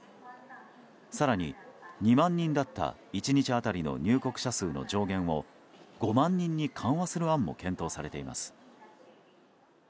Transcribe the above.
更に、２万人だった１日当たりの入国者数の上限を５万人に緩和する案も検討されています。